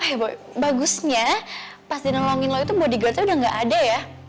eh bagusnya pas dinolongin lo itu bodyguardsnya udah gak ada ya